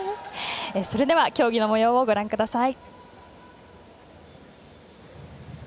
それでは競技をご覧ください。